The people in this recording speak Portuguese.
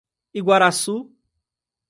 Iguaraçu